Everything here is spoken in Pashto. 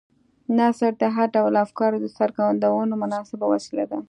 نثر د هر ډول افکارو د څرګندولو مناسبه وسیله ده.